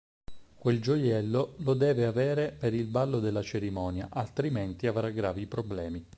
Quel gioiello lo deve avere per il ballo della cerimonia, altrimenti avrà gravi problemi.